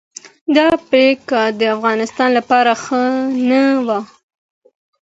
دا پریکړه د افغانستان لپاره ښه نه وه.